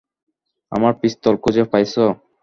আমার পিস্তল খুঁজে পাইসো?